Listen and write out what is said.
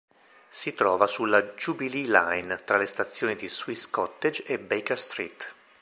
Si trova sulla Jubilee Line, tra le stazioni di Swiss Cottage e Baker Street.